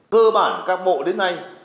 cơ bản các bộ đến nay